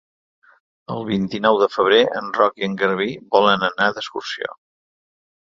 El vint-i-nou de febrer en Roc i en Garbí volen anar d'excursió.